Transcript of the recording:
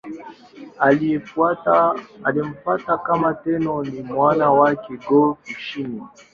Aliyemfuata kama Tenno ni mwana wake Go-Fushimi.